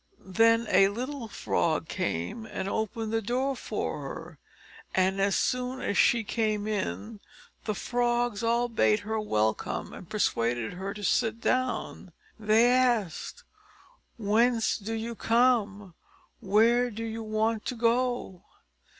Then a little frog came and opened the door for her; and as soon as she came in, the frogs all bade her welcome, and persuaded her to sit down. They asked "Whence do you come? where do you want to go?"